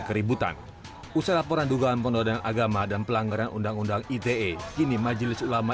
tidak usah dibesar besarkan karena sebenarnya biangnya akan diorang